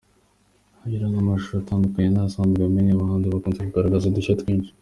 Kugira ngo amashusho atandukane n’ayasanzwe amenyerewe, abahanzi bakunze kugaragaza udushya twinshi.